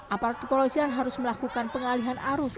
aparat kepolisian harus melakukan pengalihan arus